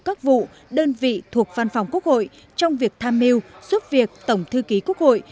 các vụ đơn vị thuộc văn phòng quốc hội trong việc tham mưu giúp việc tổng thư ký quốc hội